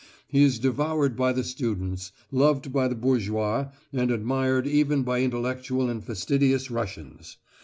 He is devoured by the students, loved by the bourgeois, and admired even by intellectual and fastidious Russians.